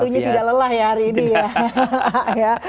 kayaknya tidak lelah ya hari ini ya